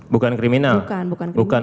bukan kriminal bukan